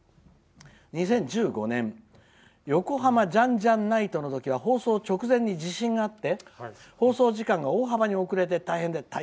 ２０１５年横浜じゃんじゃんナイトの時は地震があって放送時間が大幅に遅れて大変でした」。